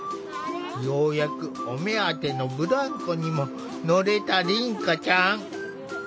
ようやくお目当てのブランコにも乗れた凛花ちゃん。